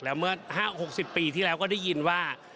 แล้วเมื่อ๕๖๐ปีที่แล้วก็ได้ยินว่า